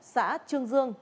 xã trương dương